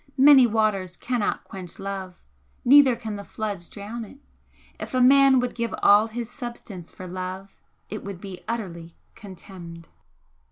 Many waters cannot quench love, neither can the floods drown it if a man would give all his substance for love it would be utterly contemned!"